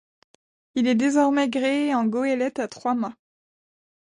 Il est désormais gréé en goélette à trois mâts.